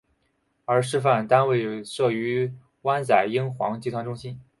而示范单位设于湾仔英皇集团中心。